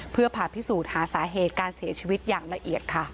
เพื่อผ่าพิสูจน์หาสาเหตุการเสียชีวิตอย่างละเอียดค่ะ